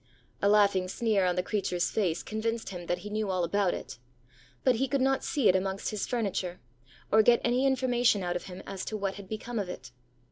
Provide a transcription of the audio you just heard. A laughing sneer on the creatureãs face convinced him that he knew all about it; but he could not see it amongst his furniture, or get any information out of him as to what had become of it.